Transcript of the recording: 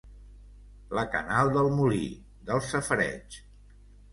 La canal del molí, del safareig.